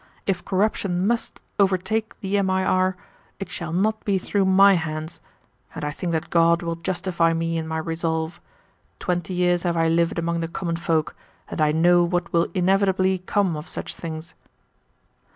If corruption MUST overtake the MIR, it shall not be through my hands. And I think that God will justify me in my resolve. Twenty years have I lived among the common folk, and I know what will inevitably come of such things."